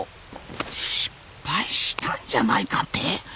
失敗したんじゃないかって？